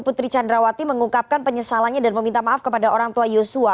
putri candrawati mengungkapkan penyesalannya dan meminta maaf kepada orang tua yosua